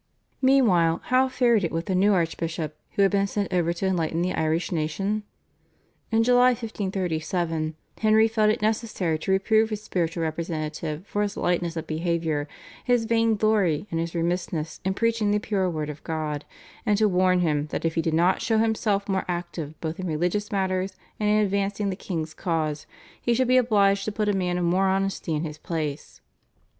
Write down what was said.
Meanwhile how fared it with the new archbishop who had been sent over to enlighten the Irish nation? In July 1537 Henry felt it necessary to reprove his spiritual representative for his lightness of behaviour, his vain glory, and his remissness in preaching the pure word of God, and to warn him that if he did not show himself more active both in religious matters and in advancing the king's cause he should be obliged to put a man of more honesty in his place.